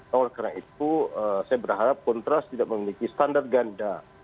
oleh karena itu saya berharap kontras tidak memiliki standar ganda